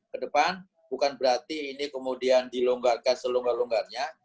ke depan bukan berarti ini kemudian dilonggarkan selonggar longgarnya